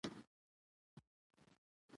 کښېنه چي سر سره خلاص کړ.